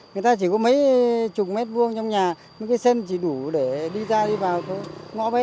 người ta chỉ có mấy chục mét vuông trong nhà cái sân chỉ đủ để đi ra đi vào thôi